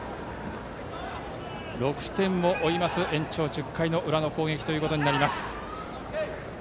６点を追う延長１０回の裏の攻撃となります。